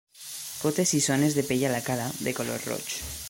Potes i zones de pell a la cara, de color roig.